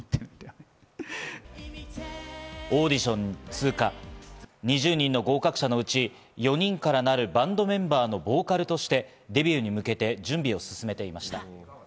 オーディション通過２０人の合格者のうち４人からなるバンドメンバーのボーカルとしてデビューに向けて準備を進めていました。